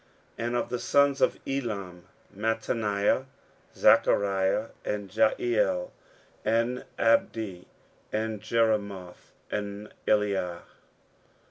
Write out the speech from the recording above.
15:010:026 And of the sons of Elam; Mattaniah, Zechariah, and Jehiel, and Abdi, and Jeremoth, and Eliah.